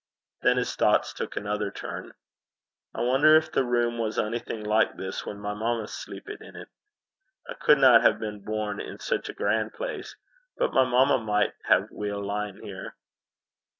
Then his thoughts took another turn. 'I wonner gin the room was onything like this whan my mamma sleepit in 't? I cudna hae been born in sic a gran' place. But my mamma micht hae weel lien here.'